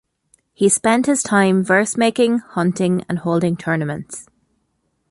He spent his time verse-making, hunting, and holding tournaments.